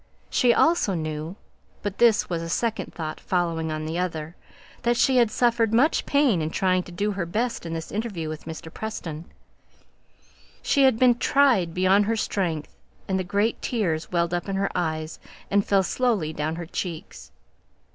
She also knew but this was a second thought following on the other that she had suffered much pain in trying to do her best in this interview with Mr. Preston. She had been tried beyond her strength: and the great tears welled up into her eyes, and fell slowly down her cheeks.